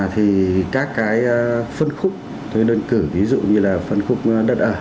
thì các cái phân khúc thuê đơn cử ví dụ như là phân khúc đất ở